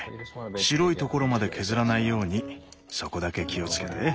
白いところまで削らないようにそこだけ気を付けて。